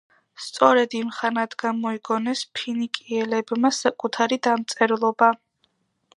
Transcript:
სწორედ იმხანად გამოიგონეს ფინიკიელებმა საკუთარი დამწერლობა.